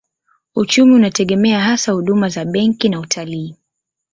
Uchumi unategemea hasa huduma za benki na utalii.